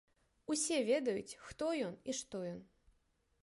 Усе ведаюць, хто ён і што ён.